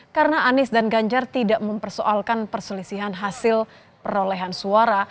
karena anies dan ganjar tidak mempersoalkan perselisihan hasil perolehan suara